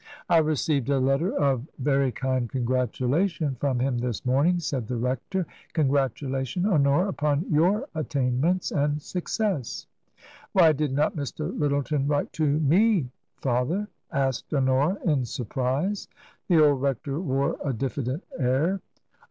" I received a letter of very kind congratulation from him this morning," said the rector; "congratulation, Honora, upon your attainments and success." "Why did not Mr. Lyttleton write to me, father?" asked Honora, in surprise. The old rector wore a diffident air.